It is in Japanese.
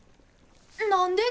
何で？